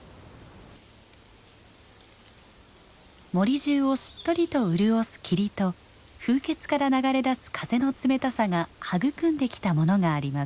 森中をしっとりと潤す霧と風穴から流れだす風の冷たさが育んできたものがあります。